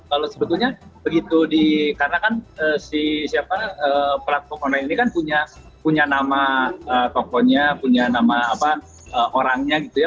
kalau sebetulnya begitu di karena kan si siapa pelaku online ini kan punya nama tokonya punya nama apa orangnya gitu ya